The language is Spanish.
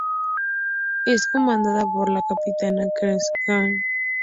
Es comandada por la capitana Kathryn Janeway.